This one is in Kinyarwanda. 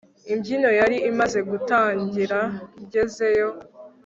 imbyino yari imaze gutangira ngezeyo